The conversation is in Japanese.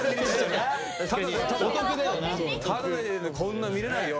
タダでこんな見れないよ